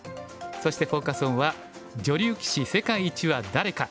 そしてフォーカス・オンは「女流棋士世界一は誰か！